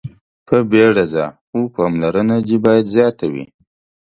په بيړه ځه خو پاملرنه دې باید زياته وي.